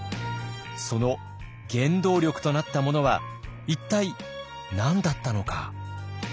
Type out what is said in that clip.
その原動力となったものは一体何だったのか。